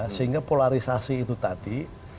sehingga polarisasi itu tadi